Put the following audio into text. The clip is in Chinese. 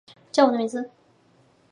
叫我的名字